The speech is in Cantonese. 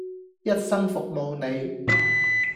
一生服務你